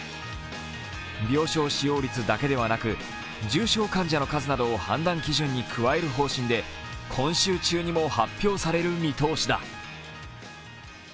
病床使用率だけではなく重症患者の数などを判断基準に加える方針で今週中にも発表される見通しだ。